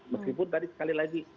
meskipun tadi sekali lagi